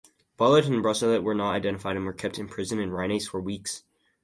Bollaert and Brossolette were not identified and were kept imprisoned in Rennes for weeks.